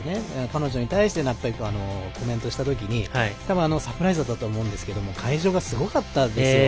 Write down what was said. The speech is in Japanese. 彼女に対してコメントしたときたぶん、サプライズだと思うんですけど会場がすごかったんですよ。